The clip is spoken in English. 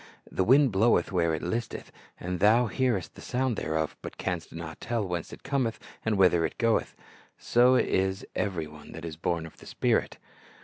The wind bloweth where it listeth, and thou hearest the sound thereof, but canst not tell whence it cometh and whither it goeth. So is every one that is born of the Spirit."